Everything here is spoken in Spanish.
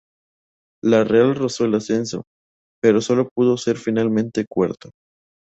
La Real rozó el ascenso, pero solo pudo ser finalmente cuarta.